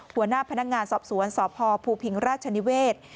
หัวหน้าพนักงานสอบสวนสพภูพิงราชนิเวศ